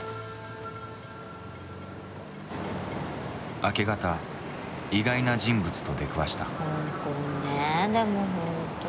明け方意外な人物と出くわした。